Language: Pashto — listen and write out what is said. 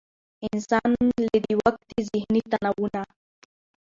انسان له د وقتي ذهني تناو نه